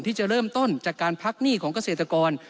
ที่จะเริ่มต้นจากการพักหนี้ของเกษตรกร